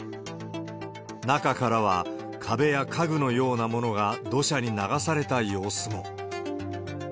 中からは、壁や家具のようなものが土砂に流された様子も。